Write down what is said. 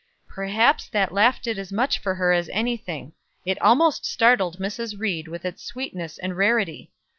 Perhaps that laugh did as much for her as any thing. It almost startled Mrs. Ried with its sweetness and rarity.